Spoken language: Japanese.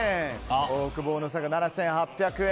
オオクボーノさんが７８００円。